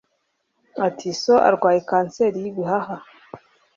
ati so arwaye kanseri y'ibihaha